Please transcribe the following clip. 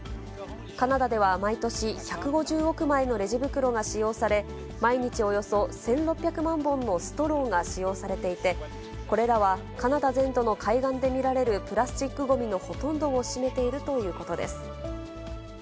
カナダでは毎年、１５０億枚のレジ袋が使用され、毎日およそ１６００万本のストローが使用されていて、これらはカナダ全土の海岸で見られるプラスチックごみのほとんどを占めているということです。